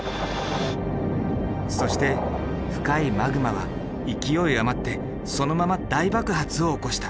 そして深いマグマは勢い余ってそのまま大爆発を起こした。